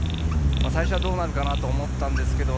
最初はどうなるかなと思ったんですけど